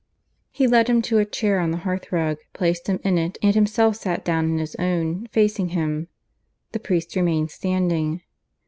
He led him to a chair on the hearth rug, placed him in it, and himself sat down in his own, facing him. The priest remained standing.